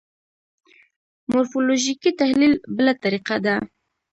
مورفولوژیکي تحلیل بله طریقه ده.